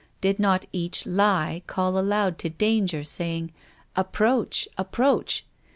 Did not each lie call aloud to danger, saying, " Approach ! approach